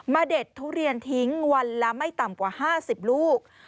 เด็ดทุเรียนทิ้งวันละไม่ต่ำกว่า๕๐ลูก